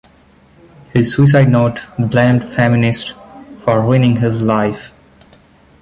His suicide note blamed feminists for ruining his life.